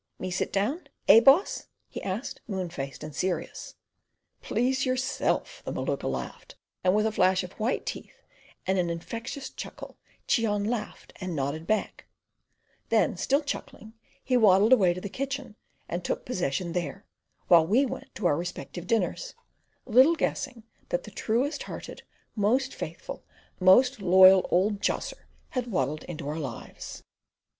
"Me sit down? Eh boss?" he asked, moon faced and serious. "Please yourself!" the Maluka laughed, and with a flash of white teeth and an infectious chuckle Cheon laughed and nodded back; then, still chuckling, he waddled away to the kitchen and took possession there, while we went to our respective dinners, little guessing that the truest hearted, most faithful, most loyal old "josser" had waddled into our lives.